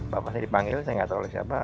bapak saya dipanggil saya nggak tahu oleh siapa